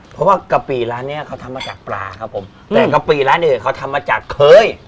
เพราะว่ากะปิร้านเนี้ยเขาทำมาจากปลาครับผมแต่กะปิร้านอื่นเขาทำมาจากเคย